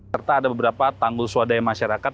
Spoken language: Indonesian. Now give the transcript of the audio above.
serta ada beberapa tanggul swadaya masyarakat